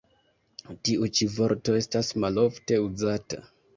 Tiu ĉi vorto estas malofte uzata.